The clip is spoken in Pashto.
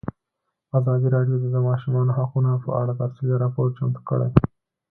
ازادي راډیو د د ماشومانو حقونه په اړه تفصیلي راپور چمتو کړی.